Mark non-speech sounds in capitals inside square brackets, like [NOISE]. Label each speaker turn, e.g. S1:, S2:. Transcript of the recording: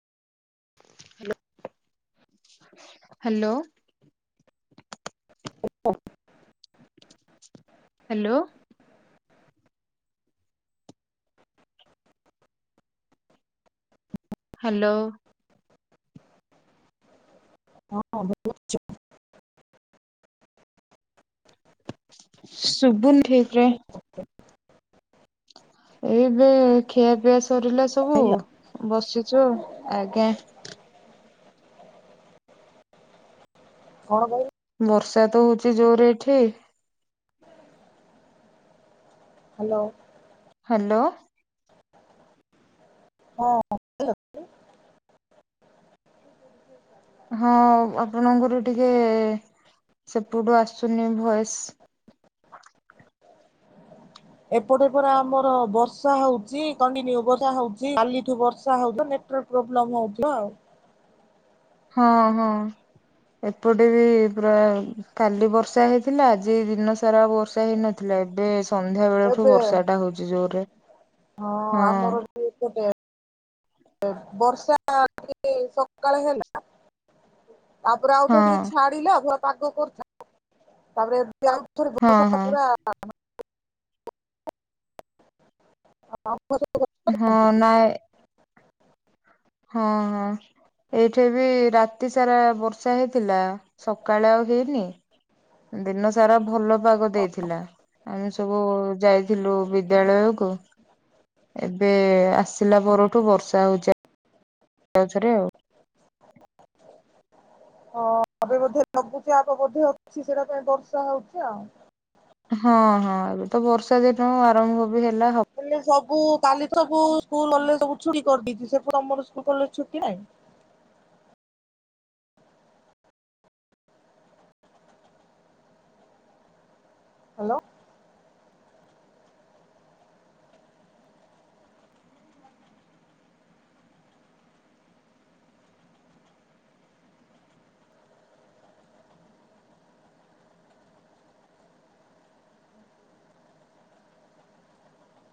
S1: Hello.
S2: ଓହ [INAUDIBLE]
S1: hello. Hello.
S2: ହଁ ଭଲ ଅଛି।
S1: ଶୁବୁନି ଠିକ ରେ।
S2: ହ [INAUDIBLE]
S1: ଏଇବେ ଖିଆପିଆ ସରିଲା ସବୁ
S2: କହିଲ
S1: ବସିଛୁ ଆଜ୍ଞା।
S2: କଣ କ
S1: ବର୍ଷା ତ ହଉଛି ଜୋରେ ଏଠି।
S2: ହ୍ୟାଲୋ।
S1: ହ୍ୟାଲୋ।
S2: ହଁ ହ୍ୟାଲୋ।
S1: ହଁ ଆପଣଙ୍କର ଟିକେ ସେପଟୁ ଆସୁନି ଭଏସ।
S2: ଏପଟେ ପା ଆମର ବର୍ଷା ହଉଛି କଣ୍ଟିନ୍ୟୁ ବା ହଉଛି କାଲିଠୁ ବର୍ଷା ହଉଛି। ପ୍ରୋବ୍ଲେମ୍ ହେଉଥିବ ଆଉ।
S1: ହଁ ହଁ ଏପଟେ ବି ପୁରା କାଲି ବର୍ଷା ହେଇଥିଲା ଆଜି ଦିନ ସାରା ବର୍ଷା ହେଇନଥିଲା ଏବେ। ସନ୍ଧ୍ୟା ବେଳଠୁ
S2: ଏବେ
S1: ବର୍ଷା ଟା ହଉଛି ଜୋରରେ ହଁ।
S2: ଗୋଟେ ବର୍ଷା ଟିକେ ସକାଳେ ହେଲା ତାପରେ
S1: ହଁ
S2: ଆଉଥରେ ଟିକେ ଛାଡିଲାଉ ଧୁର ପାଗ କରିଥା ତାପରେ ଆଉ
S1: ହଁ
S2: ଭୋସା
S1: ହଁ
S2: ପୁରା [UNINTELLIGIBLE] ହଁ ଆର [UNINTELLIGIBLE]
S1: ହଁ ନାଇଁ। ହଁ ହଁ। ଏଇଠି ବି ରାତି ସାରା ବର୍ଷା ହେଇଥିଲା ସକାଳେ ଆଉ ହେଇନି ଦିନ ସାରା ଭଲ ପାଗ ଦେଇଥିଲା ଆମେ ସବୁ ଯାଇ ଥିଲୁ ବିଦ୍ୟାଳୟ କୁ ଏବେ ଆସିଲା ପରଠୁ ବର୍ଷା ହଉଛି। ତାପରେ ଆଉ
S2: ହଁ ଆପ ବଧେ ଲଗୁଛି ଆପ ବୋଧେ ଅଛି ସେଇଟା ପାଇଁ ବର୍ଷା ହଉଛି ଆଉ
S1: ହଁ ହଁ ଏବେ ତ ବର୍ଷା ଦିନ ଆରମ୍ଭ ବି ହେଲା ହ
S2: ହେଲେ ସବୁ କାଲି ସବୁ ସ୍କୁଲ କଲେଜ ସବୁ ଛୁଟି କରିଦେଇଛି। ସେପଟେ ତମର ସ୍କୁଲ କଣ ଛୁଟି ନାହିଁ? ହ୍ୟାଲୋ।